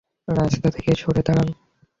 রাস্তা থেকে সরে দাঁড়ান!